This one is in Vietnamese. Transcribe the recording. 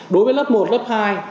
đối với lớp một lớp hai